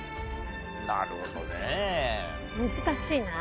なるほどねえ。